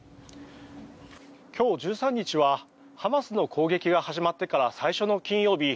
今日、１３日はハマスの攻撃が始まってから最初の金曜日。